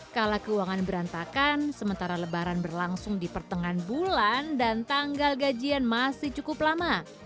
kala keuangan berantakan sementara lebaran berlangsung di pertengahan bulan dan tanggal gajian masih cukup lama